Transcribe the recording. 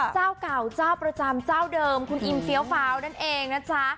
เจ้าเก่าเจ้าประจำเจ้าเดิมคุณอิมเฟี้ยวฟ้าวนั่นเองนะจ๊ะ